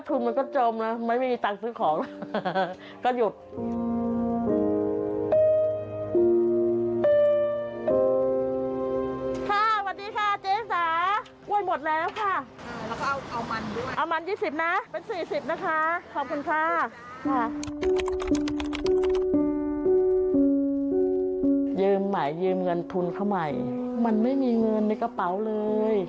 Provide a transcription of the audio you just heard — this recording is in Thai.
ยืมหมายยืมเงินทุนเขาใหม่มันไม่มีเงินในกระเป๋าเลย